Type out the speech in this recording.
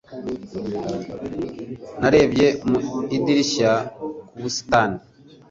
Narebye mu idirishya ku busitani.